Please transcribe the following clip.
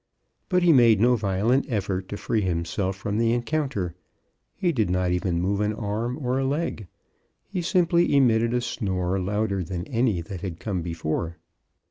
But he made no violent effort to free himself from the encounter. He did not even move an arm or a leg. He simply emitted a snore louder than any that had come before.